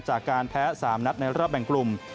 จากการแพ้๓นัดในรอบแบ่งกลุ่ม